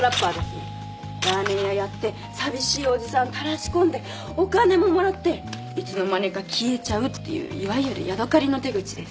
ラーメン屋やって寂しいおじさんたらし込んでお金ももらっていつの間にか消えちゃうっていういわゆるヤドカリの手口です。